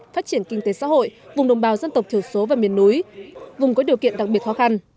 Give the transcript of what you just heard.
phát triển kinh tế xã hội vùng đồng bào dân tộc thiểu số và miền núi vùng có điều kiện đặc biệt khó khăn